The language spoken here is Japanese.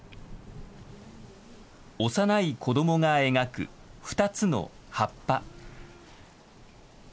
幼い子どもが描く２つの葉っぱ。